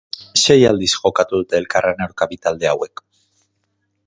Sei aldiz jokatu dute elkarren aurka bi talde hauek.